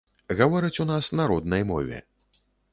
Гавораць у нас на роднай мове.